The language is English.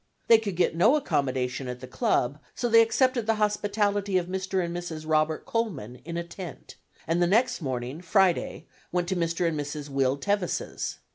They could get no accommodation at the club, so they accepted the hospitality of Mr. and Mrs. Robert Coleman in a tent, and the next morning (Friday) went to Mr. and Mrs. Will Tevis's.